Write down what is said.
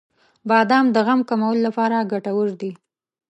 • بادام د غم کمولو لپاره ګټور دی.